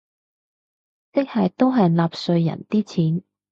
即係都係納稅人啲錢